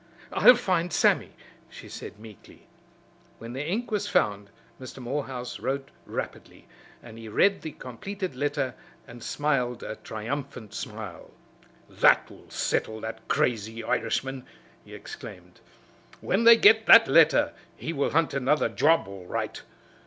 "I'll find Sammy," she said meekly. When the ink was found Mr. Morehouse wrote rapidly, and he read the completed letter and smiled a triumphant smile. "That will settle that crazy Irishman!" he exclaimed. "When they get that letter he will hunt another job, all right!"